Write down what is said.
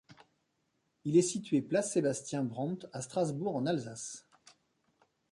Il est situé place Sébastien Brant, à Strasbourg, en Alsace.